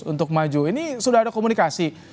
untuk maju ini sudah ada komunikasi